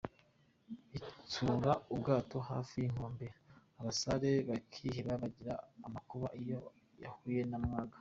Itsura ubwato hafi y’inkombe abasare bakiheba bagira ,amakuba iyo yahuye na Mwaga.